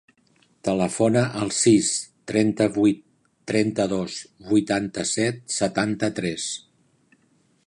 Telefona al sis, trenta-vuit, trenta-dos, vuitanta-set, setanta-tres.